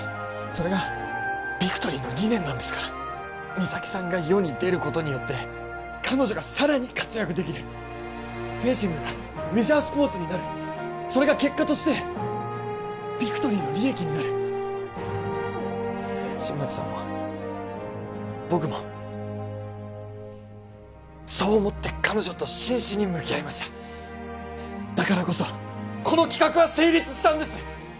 それがビクトリーの理念なんですから三咲さんが世に出ることによって彼女がさらに活躍できるフェンシングがメジャースポーツになるそれが結果としてビクトリーの利益になる新町さんも僕もそう思って彼女と真摯に向き合いましただからこそこの企画は成立したんです！